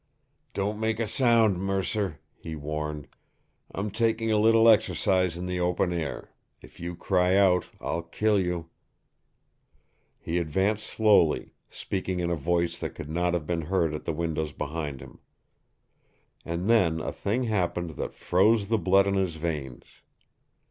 "Don't make a sound, Mercer," he warned. "I'm taking a little exercise in the open air. If you cry out, I'll kill you!" He advanced slowly, speaking in a voice that could not have been heard at the windows behind him. And then a thing happened that froze the blood in his veins.